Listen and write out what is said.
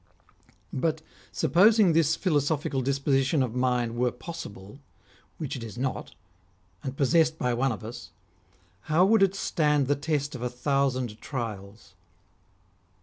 But, supposing this philo sophical disposition of mind were possible, which it is not, and possessed by one of us, how would it stand the test of a thousand trials